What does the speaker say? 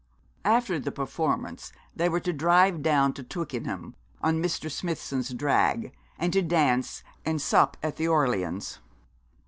After the performance they were to drive down to Twickenham on Mr. Smithson's drag, and to dance and sup at the Orleans.